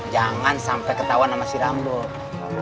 jangan sampai ketahuan sama si rambut